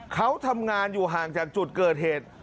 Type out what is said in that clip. เขาทำงานอยู่ห่างจากจุดเกิดเหตุ